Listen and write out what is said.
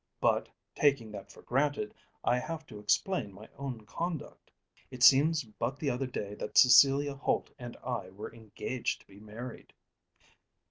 But, taking that for granted, I have to explain my own conduct. It seems but the other day that Cecilia Holt and I were engaged to be married.